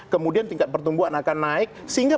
kemudian tingkat pertumbuhan akan naik sehingga